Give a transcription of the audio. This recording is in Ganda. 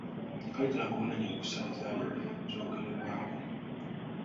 Kaali kalaga obwannannyini ku ssaala ezaali zoogerebwako.